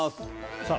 さあ